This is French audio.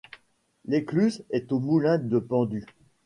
L'écluse est aux moulins de Pendu.